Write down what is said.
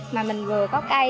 mà mình vừa có cây